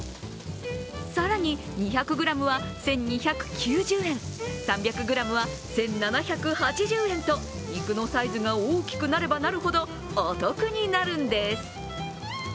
更に２００ｇは１２９０円、３００ｇは１７８０円と肉のサイズが大きくなればなるほどお得になるんです。